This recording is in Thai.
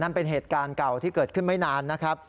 เป็นเหตุการณ์เก่าที่เกิดขึ้นไม่นานนะครับ